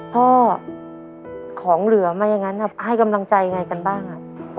พ่อของเหลือมายังงั้นครับให้กำลังใจยังไงกันบ้างอ่ะ